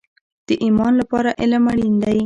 د ایمان لپاره علم اړین دی